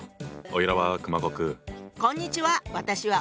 こんにちは。